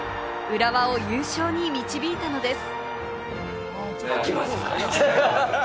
浦和を優勝に導いたのです。